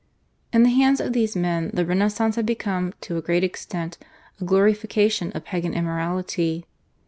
In the hands of these men the Renaissance had become, to a great extent, a glorification of Pagan immorality.